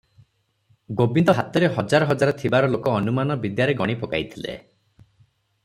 ଗୋବିନ୍ଦ ହାତରେ ହଜାର ହଜାର ଥିବାର ଲୋକ ଅନୁମାନ ବିଦ୍ୟାରେ ଗଣି ପକାଇଥିଲେ ।